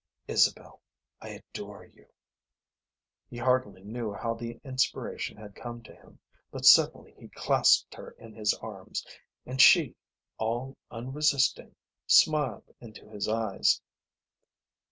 "Isabel, I adore you." He hardly knew how the inspiration had come to him, but suddenly he clasped her in his arms, and she, all unresisting, smiled into his eyes.